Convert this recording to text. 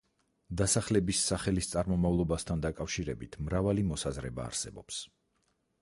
დასახლების სახელის წარმომავლობასთან დაკავშირებით მრავალი მოსაზრება არსებობს.